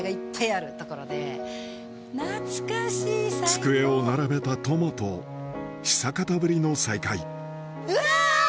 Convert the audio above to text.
机を並べた友と久方ぶりの再会うわ！